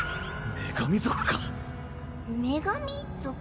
女神族か⁉女神族？